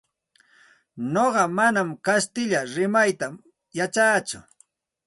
Nuqa manam kastilla rimayta yachatsu.